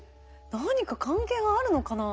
何か関係があるのかな？